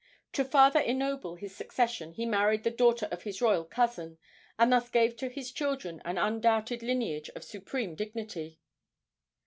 To farther ennoble his succession he married the daughter of his royal cousin, and thus gave to his children an undoubted lineage of supreme dignity.